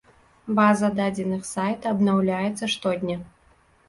База дадзеных сайта абнаўляецца штодня.